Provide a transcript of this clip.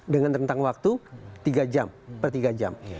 dengan rentang waktu tiga jam per tiga jam